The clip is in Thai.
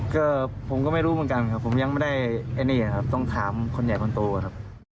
ก็ผมก็ไม่รู้เหมือนกันครับผมยังไม่ได้ต้องถามคนใหญ่คนตัวครับ